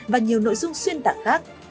và nhiều nội dung xuyên tạng khác